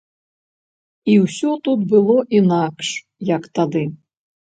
І ўсё тут было інакш, як тады.